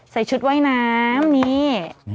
ใส่ชุดว่ายน้ำนี่